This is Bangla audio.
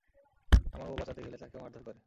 আমার বউ বাঁচাতে গেলে তাকেও মারধর করে।